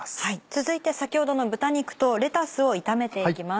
続いて先ほどの豚肉とレタスを炒めていきます。